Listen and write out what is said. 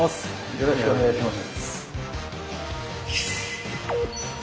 よろしくお願いします。